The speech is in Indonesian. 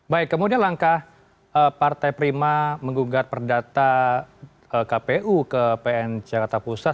baik kemudian langkah partai prima menggugat perdata kpu ke pn jakarta pusat